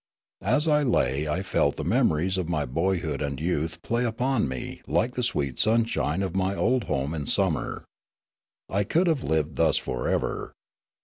As I lay I felt the memories of my boyhood and youth play upon me like the sweet sunshine of my old home in summer. I could have lived thus for ever.